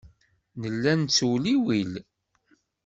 Nella nettewliwil.